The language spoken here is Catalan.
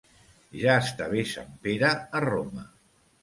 Ja està bé sant Pere a Roma.